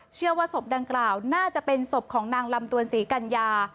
เชื่อว่าศพดังกล่าวน่าจะเป็นศพของนางลำตวนศรีกัญญา